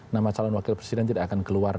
nama calon wakil presiden tidak akan keluar